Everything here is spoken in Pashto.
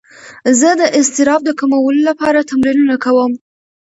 زه د اضطراب د کمولو لپاره تمرینونه کوم.